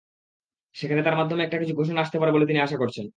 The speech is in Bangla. সেখানে তাঁর মাধ্যমে একটা কিছু ঘোষণা আসতে পারে বলে তিনি আশা করছেন।